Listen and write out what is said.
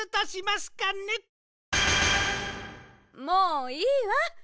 もういいわ！